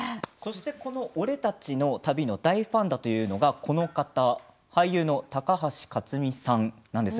「俺たちの旅」大ファンだというのが俳優の高橋克実さんです。